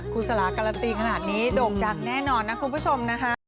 สลาการันตีขนาดนี้โด่งดังแน่นอนนะคุณผู้ชมนะคะ